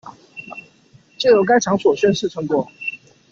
藉由該場所宣示成果